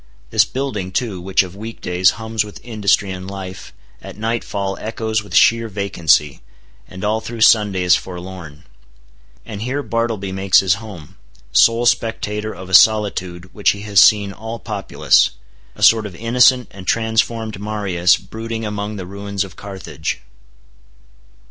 This building too, which of week days hums with industry and life, at nightfall echoes with sheer vacancy, and all through Sunday is forlorn. And here Bartleby makes his home; sole spectator of a solitude which he has seen all populous—a sort of innocent and transformed Marius brooding among the ruins of Carthage!